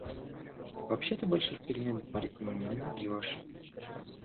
Вообще ты больших перемен в Марьине не найдешь.